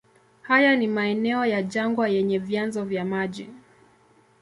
Haya ni maeneo ya jangwa yenye vyanzo vya maji.